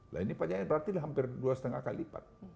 nah ini pajaknya berarti hampir dua lima kali lipat